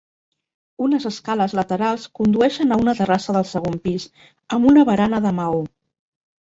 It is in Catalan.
Unes escales laterals condueixen a una terrassa del segon pis, amb una barana de maó.